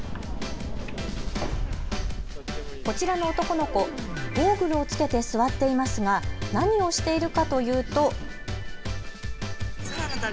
こちらの男の子、ゴーグルを着けて座っていますが何をしているかというと。